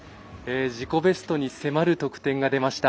自己ベストに迫る得点が出ました。